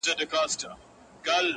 له ماتې ډک دی